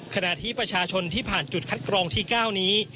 ขณะที่ประชาชนที่ผ่านจุดคัดกรองที่๙นี้